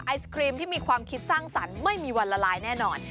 ไอศครีมที่มีความคิดสร้างสรรค์ไม่มีวันละลายแน่นอน